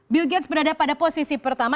bill games berada pada posisi pertama